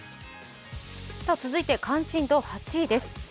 続いて関心度８位です。